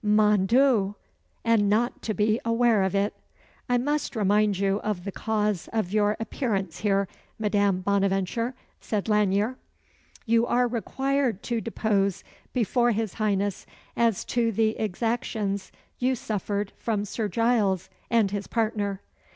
Mon Dieu! and not to be aware of it!" "I must remind you of the cause of your appearance here, Madame Bonaventure," said Lanyere. "You are required to depose before his Highness as to the exactions you suffered from Sir Giles and his partner."